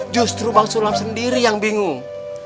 justru bang sulap sendiri yang bingung